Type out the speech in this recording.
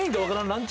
ランチ